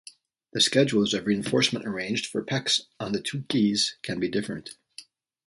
The schedules of reinforcement arranged for pecks on the two keys can be different.